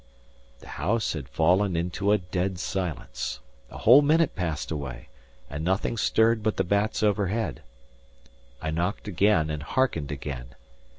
The house had fallen into a dead silence; a whole minute passed away, and nothing stirred but the bats overhead. I knocked again, and hearkened again.